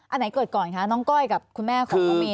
อันไหนเกิดก่อนคะน้องก้อยกับคุณแม่ของน้องเมย